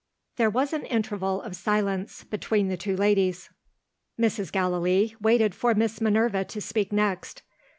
There was an interval of silence between the two ladies. Mrs. Gallilee waited for Miss Minerva to speak next.